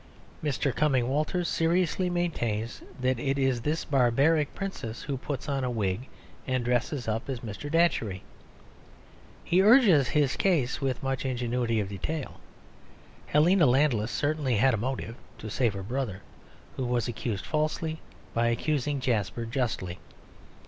Mr. Cumming Walters seriously maintains that it is this barbaric princess who puts on a wig and dresses up as Mr. Datchery. He urges his case with much ingenuity of detail. Helena Landless certainly had a motive; to save her brother, who was accused falsely, by accusing Jasper justly.